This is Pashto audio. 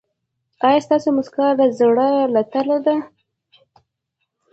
ایا ستاسو مسکا د زړه له تله ده؟